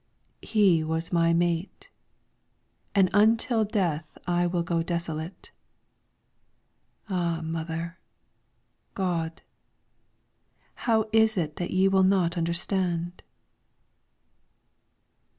He was my mate, And until death I will go desolate. Ah Mother ! God ! How is it that ye will not understand